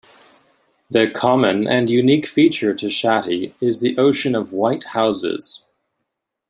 The common and unique feature to Shatti is the ocean of white houses.